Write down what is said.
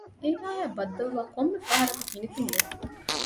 އޭނާއާއި ބައްދަލުވާ ކޮންމެ ފަހަރަކު ހިނިތުންވެ